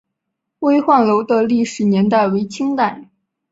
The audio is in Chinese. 巍焕楼的历史年代为清代。